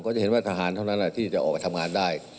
จะเห็นว่าทหารเท่านั้นที่จะออกไปทำงานได้